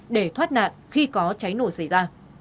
để thoát nạn khi có cháy nổ xảy ra